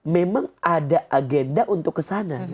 memang ada agenda untuk kesana